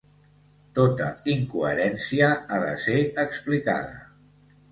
Tota incoherència ha de ser explicada.